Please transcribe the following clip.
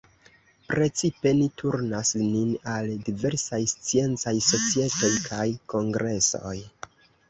Precipe ni turnas nin al diversaj sciencaj societoj kaj kongresoj.